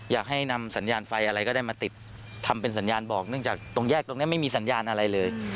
อยากให้นำสัญญาณไฟอะไรก็ได้มาติดทำเป็นสัญญาณบอกเนื่องจากตรงแยกตรงนี้ไม่มีสัญญาณอะไรเลย